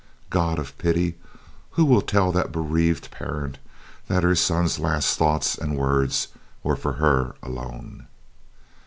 God of pity! who will tell that bereaved parent that her son's last thoughts and words were for her alone?